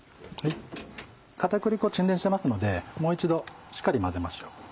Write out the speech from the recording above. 片栗粉沈殿してますのでもう一度しっかり混ぜましょう。